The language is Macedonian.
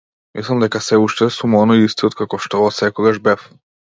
Мислам дека сѐ уште сум оној истиот каков што отсекогаш бев.